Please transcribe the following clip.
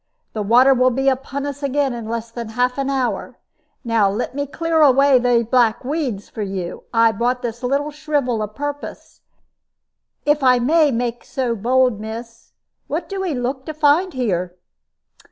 The water will be upon us again in less than half an hour. Now let me clear away they black weeds for you. I brought this little shivel a purpose. If I may make so bold, miss, what do 'e look to find here?"